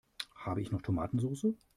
Habe ich noch Tomatensoße?